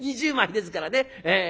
２０枚ですからね。